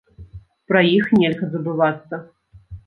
Пра іх нельга забывацца.